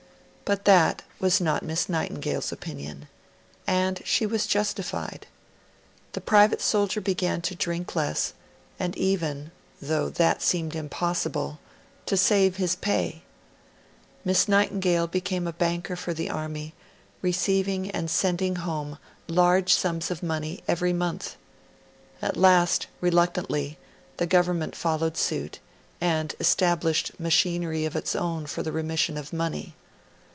But that was not Miss Nightingale's opinion, and she was justified. The private soldier began to drink less and even though that seemed impossible to save his pay. Miss Nightingale became a banker for the Army, receiving and sending home large sums of money every month. At last, reluctantly, the Government followed suit, and established machinery of its own for the remission of money.